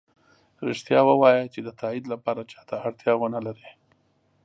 ریښتیا ؤوایه چې د تایید لپاره چا ته اړتیا ونه لری